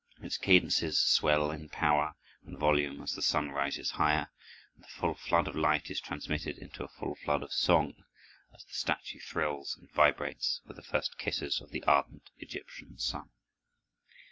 Its cadences swell in power and volume as the sun rises higher; and the full flood of light is transmitted into a full flood of song, as the statue thrills and vibrates with the first kisses of the ardent Egyptian sun.